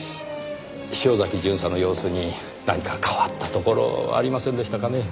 潮崎巡査の様子に何か変わったところありませんでしたかね？